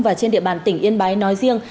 và trên địa bàn tỉnh yên bái nói riêng